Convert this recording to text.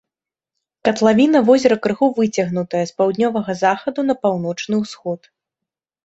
Катлавіна возера крыху выцягнутая з паўднёвага захаду на паўночны ўсход.